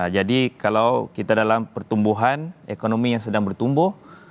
kalau kita dalam pertumbuhan ekonomi yang sedang bertumbuh